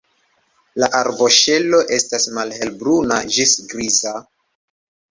La arboŝelo estas malhelbruna ĝis griza.